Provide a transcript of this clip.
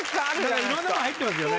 いろんなもの入ってますよね。